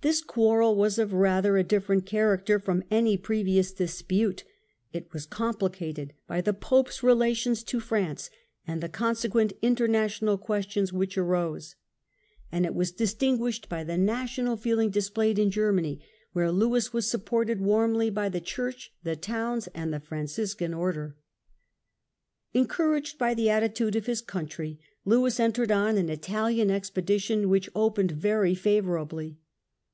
This quarrel was of rather a different character from any previous dispute, it ' was complicated by the Pope's relations to France, and the consequent international questions which arose ; and it 2 18 THE END OF THE MIDDLE AGE was distinguished by the national feeling displaj'ed in Gemiany, where Lewis was supported warmly by the Church, the towns, and the Franciscan Order. Lewis iu Encouraged by the attitude of his country, Lewis Italy entered on an Italian expedition, which opened very favourably.